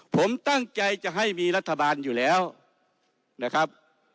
ผมตั้งใจจะให้มีรัฐบาลอยู่แล้วนะครับ